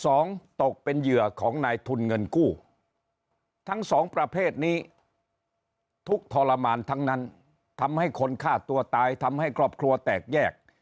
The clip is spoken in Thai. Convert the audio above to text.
ตกเป็นเหยื่อของนายทุนเงินกู้ทั้งสองประเภทนี้ทุกข์ทรมานทั้งนั้นทำให้คนฆ่าตัวตายทำให้ครอบครัวแตกแยก